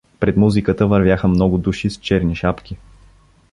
Пред музиката вървяха много души с черни шапки.